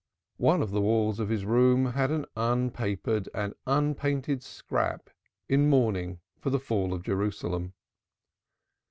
One of the walls of his room had an unpapered and unpainted scrap in mourning for the fall of Jerusalem.